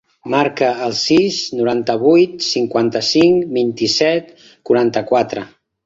Marca el sis, noranta-vuit, cinquanta-cinc, vint-i-set, quaranta-quatre.